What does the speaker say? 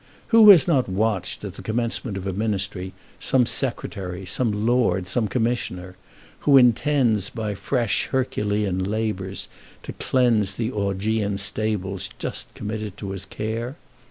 Who has not watched at the commencement of a Ministry some Secretary, some Lord, or some Commissioner, who intends by fresh Herculean labours to cleanse the Augean stables just committed to his care?